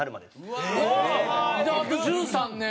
じゃああと１３年。